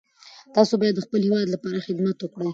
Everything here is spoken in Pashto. تاسو باید د خپل هیواد لپاره خدمت وکړئ.